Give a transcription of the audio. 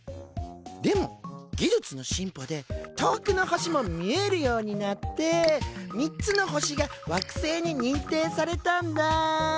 でも技術の進歩で遠くの星も見えるようになって３つの星が惑星ににんていされたんだ。